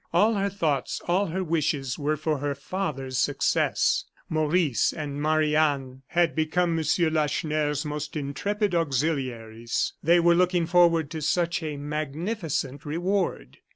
All her thoughts, all her wishes were for her father's success. Maurice and Marie Anne had become M. Lacheneur's most intrepid auxiliaries. They were looking forward to such a magnificent reward.